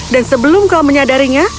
dan sebelum kau menyadarinya